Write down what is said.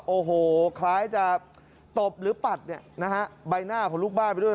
โอ้โหคล้ายจะตบหรือปัดเนี่ยนะฮะใบหน้าของลูกบ้านไปด้วย